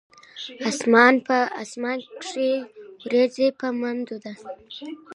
اسمان کښې وريځ پۀ منډو ده